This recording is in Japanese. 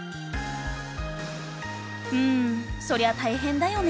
うんそりゃ大変だよね。